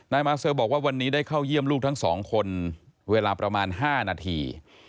มาเซลบอกว่าวันนี้ได้เข้าเยี่ยมลูกทั้งสองคนเวลาประมาณ๕นาที